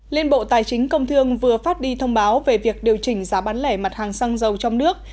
liên bộ tài chính công thương vừa phát đi thông báo về việc điều chỉnh giá bán lẻ mặt hàng xăng dầu trong nước